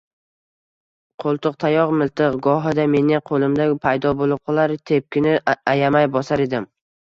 Qoʻltiqtayoq-miltiq gohida mening qoʻlimda paydo boʻlib qolar, tepkini ayamay bosar edim.